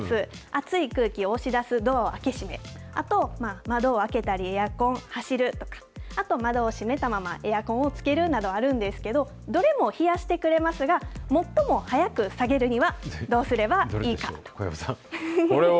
暑い空気を押し出す、ドアを開け閉め、あと窓を開けたり、エアコン、走るとか、あと窓を閉めたままエアコンをつけるなどあるんですけど、どれも冷やしてくれますが、最も早く下げるにはどうすればい小籔さん。